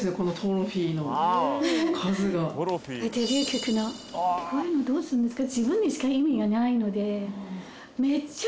これデビュー曲のこういうのどうするんですか？